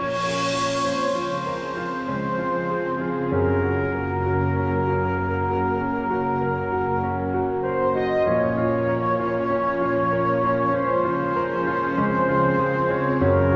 bisa juga cukup gampang